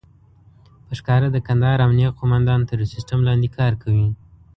په ښکاره د کندهار امنيه قوماندان تر يو سيستم لاندې کار کوي.